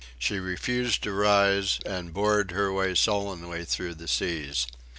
She refused to rise, and bored her way sullenly through the seas.